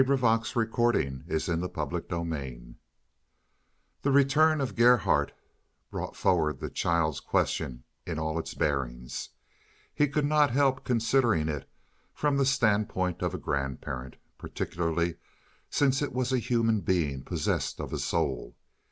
"He'll get over it. It's his way." CHAPTER XV The return of Gerhardt brought forward the child question in all its bearings. He could not help considering it from the standpoint of a grandparent, particularly since it was a human being possessed of a soul.